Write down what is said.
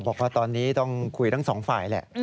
บอกว่าตอนนี้ต้องคุยทั้งสองฝ่ายแหละ